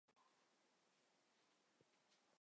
楼邦彦人。